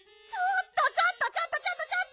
ちょっとちょっとちょっと！